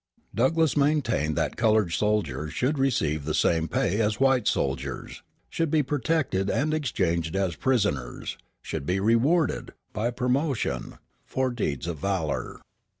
Douglass maintained that colored soldiers should receive the same pay as white soldiers, should be protected and exchanged as prisoners, and should be rewarded, by promotion, for deeds of valor.